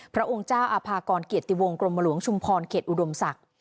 พระองค์เจ้าอาภากรเกียรติวงกรมหลวงชุมพรเขตอุดมศักดิ์